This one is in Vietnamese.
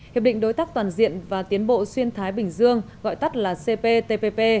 hiệp định đối tác toàn diện và tiến bộ xuyên thái bình dương gọi tắt là cptpp